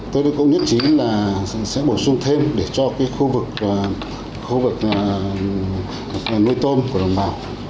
tôi cũng nhất trí là sẽ bổ sung thêm để cho khu vực nuôi tôm của đồng bào